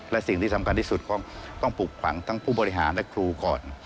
และสิ่งที่สำคัญที่สุดก็ต้องปลูกฝังทั้งผู้บริหารและครูก่อน